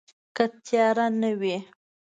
که تیاره نه وي